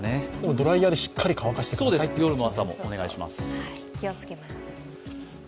ドライヤーでしっかり乾かしてくださいということですね。